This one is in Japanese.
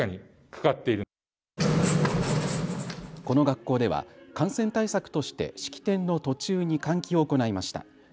この学校では感染対策として式典の途中に換気を行いました。